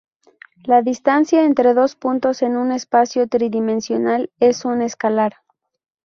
La distancia entre dos puntos en un espacio tridimensional es un escalar.